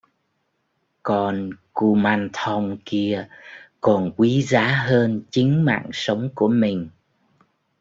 Con kumanthong kia còn quý giá hơn chính mạng Sống Của mình